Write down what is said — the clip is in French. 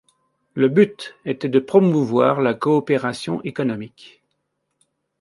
Le but était de promouvoir la coopération économique.